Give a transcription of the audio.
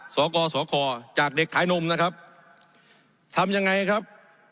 สกสคจากเด็กขายนมนะครับทำยังไงครับ